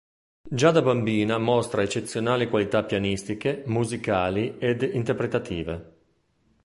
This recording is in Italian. Già da bambina mostra eccezionali qualità pianistiche, musicali ed interpretative.